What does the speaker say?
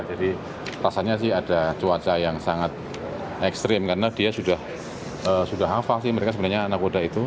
jadi rasanya sih ada cuaca yang sangat ekstrim karena dia sudah hafal sih mereka sebenarnya nakoda itu